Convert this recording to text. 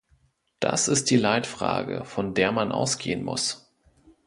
Das ist die Leitfrage, von der man ausgehen muss.